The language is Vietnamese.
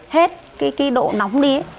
hết cái độ nóng đi